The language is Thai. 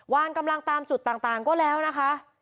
วางกำลังตามจุดต่างก็แล้วนะคะ